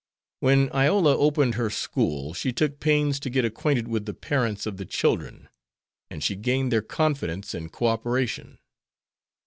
When Iola opened her school she took pains to get acquainted with the parents of the children, and she gained their confidence and co operation.